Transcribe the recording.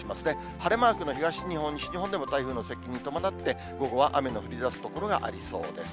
晴れマークの東日本、西日本でも台風の接近に伴って、午後は雨の降りだす所がありそうです。